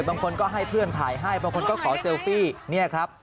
บางคนก็ให้เพื่อนถ่ายให้บางคนก็ขอเซลฟี่เนี่ยครับ